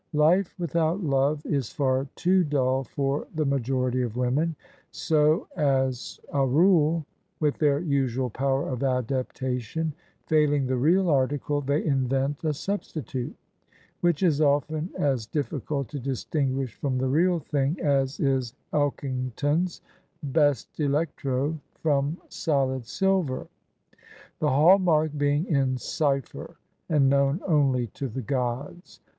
Life without love is far too dull for the majority of women: so as a rule — with their usual power of adaptation — failing the real article, they invent a substitute: which is often as difficult to distinguish from the real thing as is Elkington's Best Electro from solid silver: the hall mark being in cypher and known only to the gods.